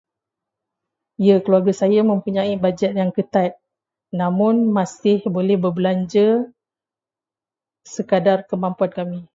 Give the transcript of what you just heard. Ya, keluarga saya mempunyai bajet yang ketat. Namun, masih boleh berbelanja sekadar kemampuan kami.